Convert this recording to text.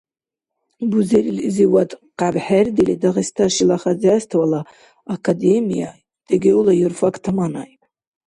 Бузерилизивад къябхӀердили, Дагъиста шила хозяйствола академия, ДГУ-ла юрфак таманаиб.